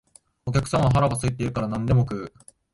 お客さんは腹が空いているから何でも食う